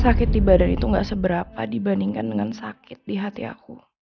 sakit di badan itu gak seberapa dibandingkan dengan sakit di hati aku